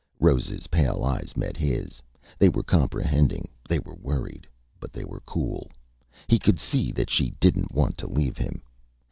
Rose's pale eyes met his. They were comprehending, they were worried, but they were cool. He could see that she didn't want to leave him.